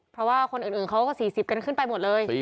เพราะว่าคนอื่นเขาก็๔๐กันขึ้นไปหมดเลย